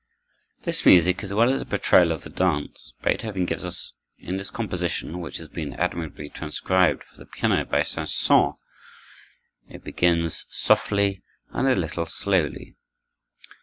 This music, as well as a portrayal of the dance, Beethoven gives us in this composition, which has been admirably transcribed for the piano by Saint Saëns. It begins softly and a little slowly.